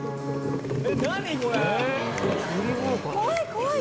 怖い！